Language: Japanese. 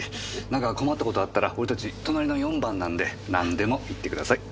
なんか困った事あったら俺たち隣の４番なんでなんでも言ってください。